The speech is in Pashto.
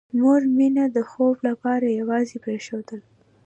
مور مينه د خوب لپاره یوازې پرېښودله